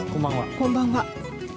こんばんは。